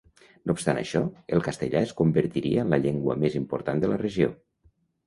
No obstant això, el castellà es convertiria en la llengua més important de la regió.